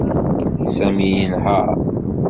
Sami yenheṛ.